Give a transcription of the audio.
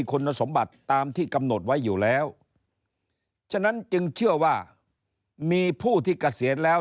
คุณสมบัติตามที่กำหนดไว้อยู่แล้วฉะนั้นจึงเชื่อว่ามีผู้ที่เกษียณแล้ว